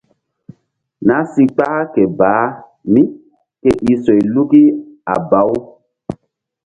Na si kpah ke baah mí ke i soyluki a baw.